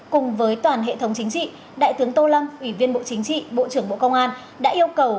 cùng với toàn hệ thống chính trị đại tướng tô lâm ủy viên bộ chính trị bộ trưởng bộ công an đã yêu cầu